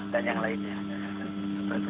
dan yang lainnya